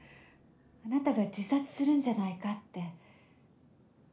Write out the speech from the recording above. ・あなたが自殺するんじゃないかって。